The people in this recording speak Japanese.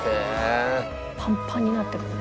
パンパンになってる。